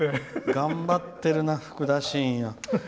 頑張ってるなふくだしんや。